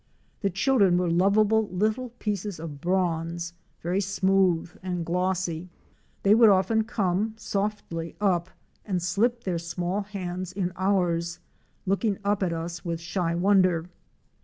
The children were lovable little pieces of bronze, very smooth and glossy. They would often come softly up and slip their small hands in ours, looking up at us with shy wonder.